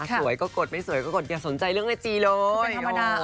สวยก็กดไม่สวยก็กดอย่าสนใจเรื่องไอจีเลย